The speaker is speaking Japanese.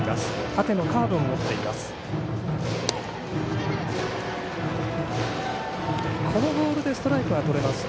縦のカーブも持っています。